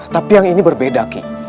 tapi yang ini berbeda kik